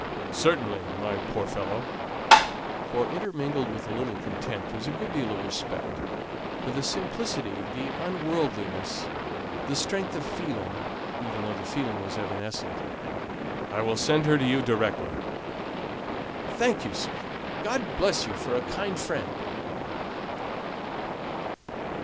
"Certainly, my poor fellow" for, intermingled with a little contempt, was a good deal of respect for the simplicity, the unworldliness, the strength of feeling, even though the feeling was evanescent "I will send her to you directly." "Thank you, sir. God bless you for a kind friend!"